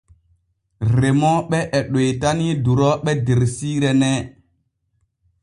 Remooɓe e ɗoytani durooɓe der siire nee.